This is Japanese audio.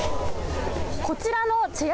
こちらのチェア